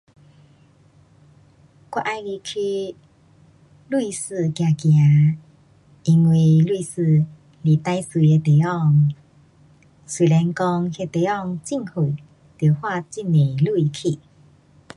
我喜欢去瑞士走走。因为瑞士是最美的地方。虽然讲那地方很远。得花很多钱去。